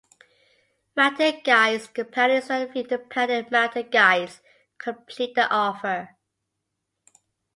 Mountain guides companies and a few independent mountain guides complete the offer.